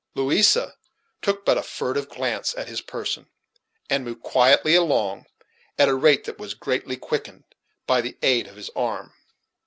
Louisa took but a furtive glance at his person, and moved quietly along, at a rate that was greatly quickened by the aid of his arm.